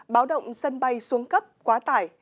báo động sân bay xuống cấp quá tải